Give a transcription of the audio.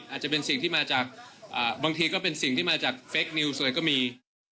อาจจะเป็นสิ่งที่มาจากบางทีก็เป็นสิ่งที่มาจากเฟคนิวสวยก็มี